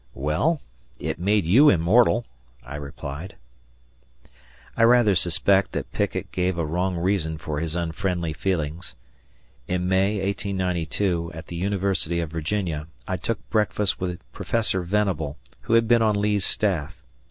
"Well, it made you immortal," I replied. I rather suspect that Pickett gave a wrong reason for his unfriendly feelings. In May, 1892, at the University of Virginia, I took breakfast with Professor Venable, who had been on Lee's staff.